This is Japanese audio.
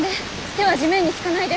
手は地面に着かないで。